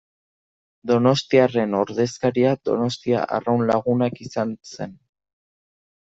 Donostiarren ordezkaria Donostia Arraun Lagunak izan zen.